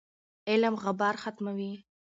علم غبار ختموي.